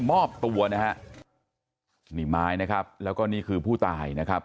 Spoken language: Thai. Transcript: มอบตัวนะฮะนี่ไม้นะครับแล้วก็นี่คือผู้ตายนะครับ